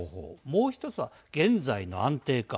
もう１つは現在の安定化。